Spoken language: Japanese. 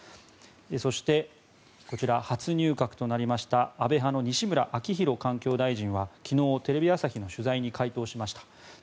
そしてこちら初入閣となりました安倍派の西村明宏環境大臣は昨日、テレビ朝日の取材に回答しました。